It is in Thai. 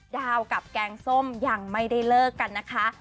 ดาวกับแกงส้มยังไม่ได้เลิกกันนะคะ